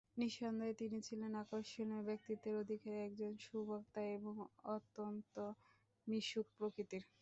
নিঃসন্দেহে তিনি ছিলেন আকর্ষণীয় ব্যক্তিত্বের অধিকারী, একজন সুবক্তা এবং অত্যন্ত মিশুক প্রকৃতির।